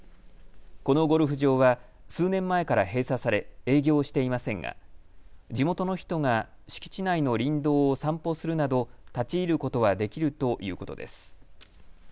このゴルフ場は数年前から閉鎖され、営業していませんが地元の人が敷地内の林道を散歩するなど立ち入ることはできるということです。